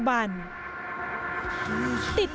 โหโหโหโห